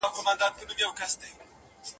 ولي پردۍ مینې ته لېږو د جهاني غزل